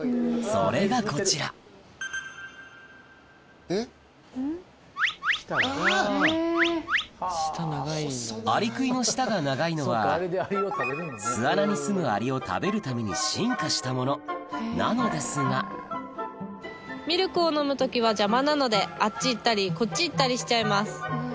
それがこちらアリクイの舌が長いのは巣穴にすむアリを食べるために進化したものなのですがミルクを飲む時は邪魔なのであっち行ったりこっち行ったりしちゃいます。